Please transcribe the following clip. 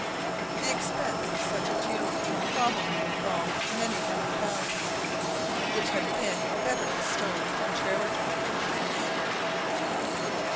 The expense of such a funeral probably involved many hundred pounds, which had been better bestowed on charitable purposes.